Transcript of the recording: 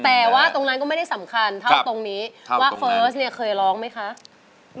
แต่ว่าตรงนั้นก็ไม่ได้สำคัญเท่าตรงนี้ว่าเฟิร์สเนี่ยเคยร้องไหมคะ